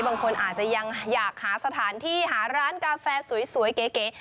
บางคนอาจจะยังอยากหาสถานที่หาร้านกาแฟสวยเก๋